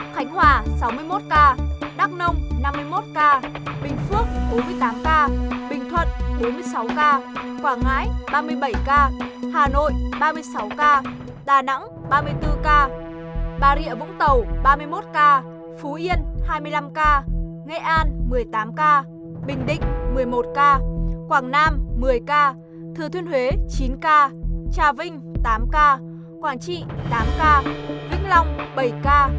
khánh hòa sáu mươi một ca đắk nông năm mươi một ca bình phước bốn mươi tám ca bình thuận bốn mươi sáu ca quảng ngãi ba mươi bảy ca hà nội ba mươi sáu ca đà nẵng ba mươi bốn ca bà rịa vũng tàu ba mươi một ca phú yên hai mươi năm ca nghệ an một mươi tám ca bình định một mươi một ca quảng nam một mươi ca thừa thuyên huế chín ca trà vinh tám ca quảng trị tám ca vĩnh long bảy ca